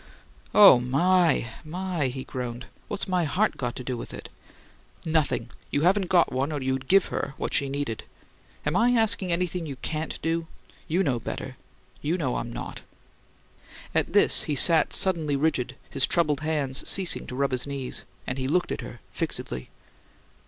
"Oh, my, my!" he groaned. "What's my heart got to do with it?" "Nothing! You haven't got one or you'd give her what she needed. Am I asking anything you CAN'T do? You know better; you know I'm not!" At this he sat suddenly rigid, his troubled hands ceasing to rub his knees; and he looked at her fixedly.